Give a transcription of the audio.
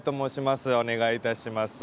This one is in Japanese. お願いいたします。